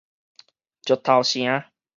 石頭城